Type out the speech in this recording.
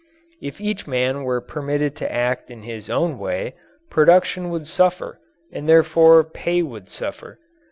If each man were permitted to act in his own way, production would suffer and therefore pay would suffer.